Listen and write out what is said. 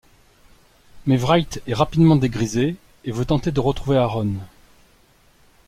Mais Wright est rapidement dégrisée et veut tenter de retrouver Aaron.